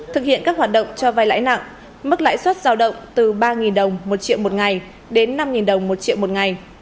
thực hiện các hoạt động cho vai lãi nặng mức lãi suất giao động từ ba đồng một triệu một ngày đến năm đồng một triệu một ngày